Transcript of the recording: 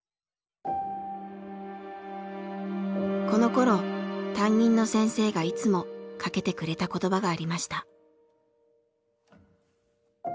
このころ担任の先生がいつもかけてくれた言葉がありました。